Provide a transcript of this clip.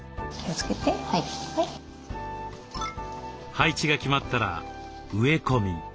配置が決まったら植え込み。